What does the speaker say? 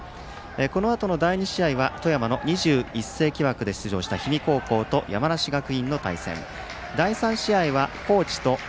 このあとの第２試合は富山の２１世紀枠で出場した氷見高校と山梨学院の対戦。